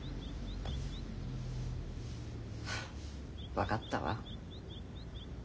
分かったわ。